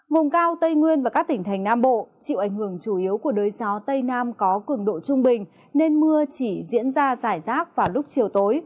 vùng cao tây nguyên và các tỉnh thành nam bộ chịu ảnh hưởng chủ yếu của đới gió tây nam có cường độ trung bình nên mưa chỉ diễn ra giải rác vào lúc chiều tối